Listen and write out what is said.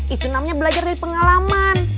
itu namanya belajar dari pengalaman